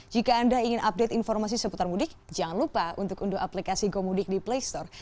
jika anda ingin update informasi seputar mudik jangan lupa untuk unduh aplikasi gomudik di play store